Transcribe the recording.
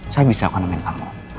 saya bisa akunemen kamu